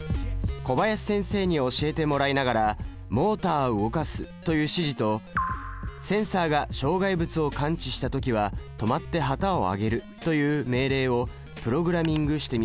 小林先生に教えてもらいながら「モータを動かす」という指示と「センサが障害物を感知した時は止まって旗を上げる」という命令をプログラミングしてみました。